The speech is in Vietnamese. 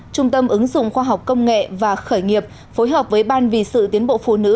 trung tâm ứng dụng khoa học công nghệ và khởi nghiệp phối hợp với ban vì sự tiến bộ phụ nữ